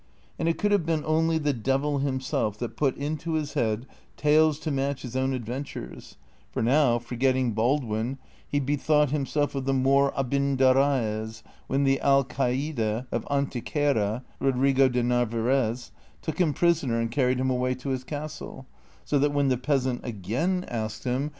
And it could have been only the devil himself that put into his head tales to match his own adventures, for now, forgetting Baldwin, he bethought himself of the Moor Abindarraez, when the Alcaide of Ante quera, Eodrigo de Narvaez, took him prisoner and carried him away to his castle ; so that when the peasant again asked him 28 DON QUIXOTE.